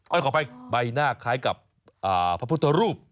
ขออภัยใบหน้าคล้ายกับพระพุทธรูป